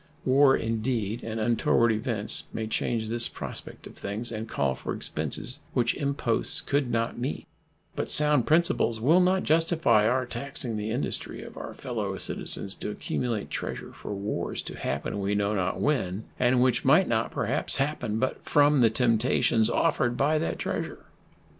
War, indeed, and untoward events may change this prospect of things and call for expenses which imposts could not meet; but sound principles will not justify our taxing the industry of our fellow citizens to accumulate treasure for wars to happen we know not when, and which might not, perhaps, happen but from the temptations offered by that treasure.